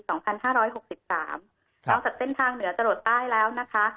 ตั้งแต่เส้นทางเหนือจะโหลดใต้แล้วนะคะ